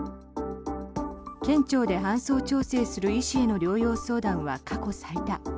県庁で搬送調整する医師への療養相談は過去最多。